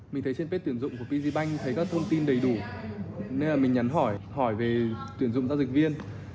mình thấy trên bếp tuyển dụng của pgibank thấy các thông tin đầy đủ nên là mình nhắn hỏi hỏi về tuyển dụng giao dịch viên